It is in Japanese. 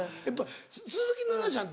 鈴木奈々ちゃん